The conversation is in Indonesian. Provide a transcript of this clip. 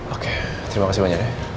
oke terima kasih banyak